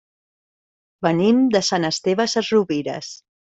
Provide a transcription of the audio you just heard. Venim de Sant Esteve Sesrovires.